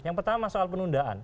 yang pertama soal penundaan